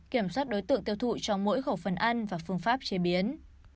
kiểm soát đối tượng tiêu thụ trong mỗi khẩu phần ăn và phương pháp chế biến